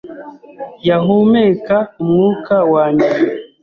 Yahumeka umwuka wa nyuma.